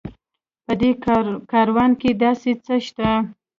په دې کاروان کې داسې څه شته.